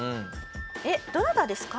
「えっどなたですか？」。